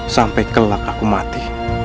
sampai kelak aku mati